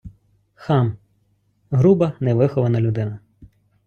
Хам — груба, невихована людина